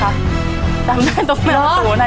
จำได้ตรงแมวตัวนั้นดีกว่า